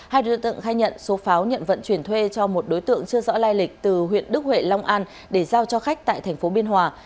hai đối tượng khai nhận số pháo nhận vận chuyển thuê cho một đối tượng chưa rõ lai lịch từ huyện đức huệ long an để giao cho khách tại thành phố biên hòa